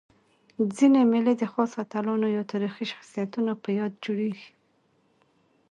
ځيني مېلې د خاصو اتلانو یا تاریخي شخصیتونو په یاد جوړيږي.